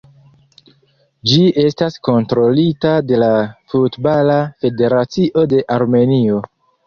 Ĝi estas kontrolita de la Futbala Federacio de Armenio.